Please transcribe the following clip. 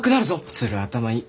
鶴頭いい。